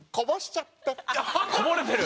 こぼれてる！